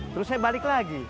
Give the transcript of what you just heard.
terus saya balik lagi